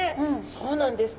そうなんです。